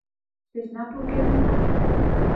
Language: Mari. Сӧсна пургедын мо?